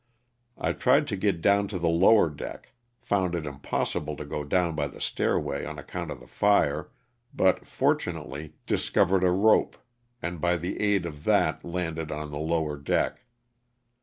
I tried to get down to the lower deck; found it impossible to go down by the stairway on account of the fire but, fortunately, discovered a rope, and by the aid of that landed on the lower deck.